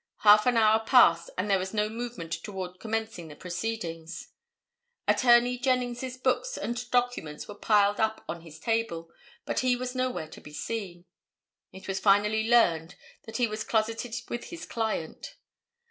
Half an hour passed and there was no movement toward commencing the proceedings. Attorney Jennings' books and documents were piled up on his table, but he was nowhere to be seen. It was finally learned that he was closeted with his client.